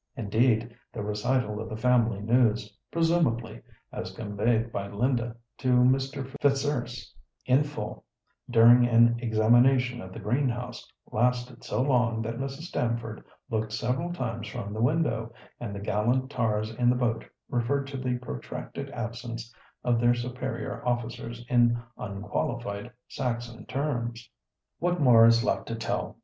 Indeed, the recital of the family news (presumably) as conveyed by Linda to Mr. Fitzurse in full, during an examination of the green house, lasted so long that Mrs. Stamford looked several times from the window, and the gallant tars in the boat referred to the protracted absence of their superior officers in unqualified Saxon terms. What more is left to tell?